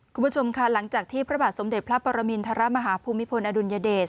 คุณผู้ชมค่ะหลังจากที่พระบาทสมเด็จพระปรมินทรมาฮภูมิพลอดุลยเดช